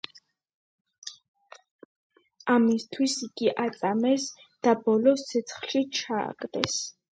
ამისათვის იგი აწამეს, დაბოლოს, ცეცხლში დაწვეს.